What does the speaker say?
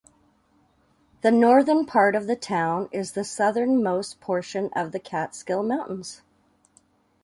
The northern part of the town is the southernmost portion of the Catskill Mountains.